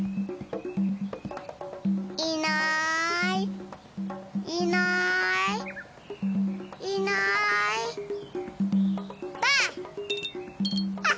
いないいないいないばあっ！